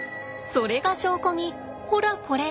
それが証拠にほらこれ。